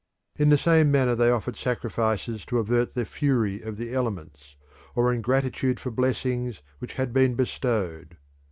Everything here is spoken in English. In the same manner they offered sacrifices to avert the fury of the elements, or in gratitude for blessings which had been bestowed.